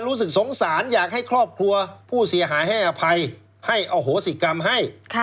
รู้สึกสงสารอยากให้ครอบครัวผู้เสียหายให้อภัยให้อโหสิกรรมให้